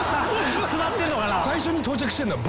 最初に到着してんのは僕。